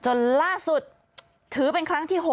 จนล่าสุดถือเป็นครั้งที่๖